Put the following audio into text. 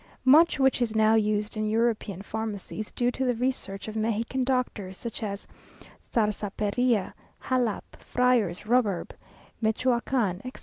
Much which is now used in European pharmacy is due to the research of Mexican doctors; such as sarsaparilla, jalap, friars' rhubarb, mechoacan, etc.